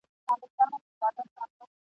ویاله چي هر څو کاله سي وچه ..